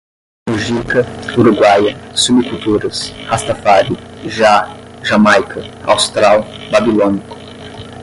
Mujica, uruguaia, subculturas, rastafári, Jah, Jamaica, austral, babilônico